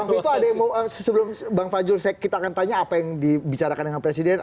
bang vito ada yang mau sebelum bang fajrul kita akan tanya apa yang dibicarakan dengan presiden